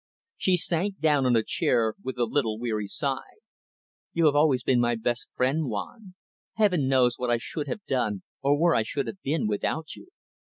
She sank down on a chair with a little weary sigh. "You have always been my best friend, Juan. Heaven knows what I should have done or where I should have been without you."